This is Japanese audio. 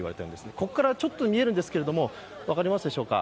ここからちょっと見えるんですが分かりますでしょうか。